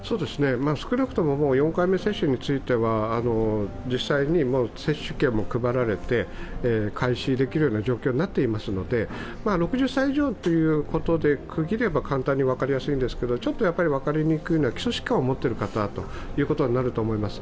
少なくとももう４回目接種については実際に接種券も配られて開始できるような状況になっていますので、６０歳以上ということで区切れば簡単に分かりやすいんですけど、ちょっと分かりにくいのは基礎疾患を持っている方になると思います。